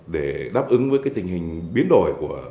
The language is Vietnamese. để đáp ứng với tình hình biến đổi